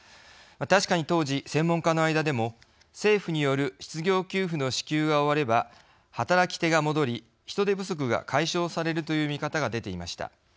確かに当時、専門家の間でも政府による失業給付の支給が終われば働き手が戻り人手不足が解消されるという見方が出ていました。